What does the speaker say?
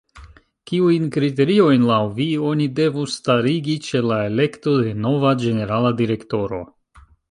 Kiujn kriteriojn laŭ vi oni devus starigi ĉe la elekto de nova ĝenerala direktoro?